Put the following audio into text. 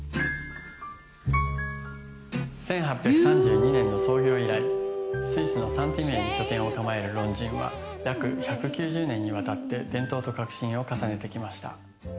１８３２年の創業以来スイスのサンティミエに拠点を構えるロンジンは約１９０年にわたって伝統と革新を重ねてきました。